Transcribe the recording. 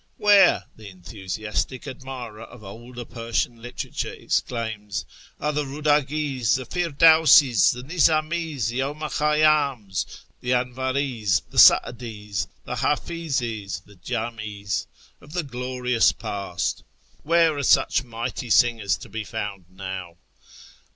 " Where," the enthusiastic admirer of older Persian literature exclaims, " are the Rudagis, the Firdawsi's, the Mzami's, the 'Omar Khayyams, the Anvari's, the Sa'dis, the Hafizes, the Jamis, of the glorious Past ? Where are such mighty singers to be found now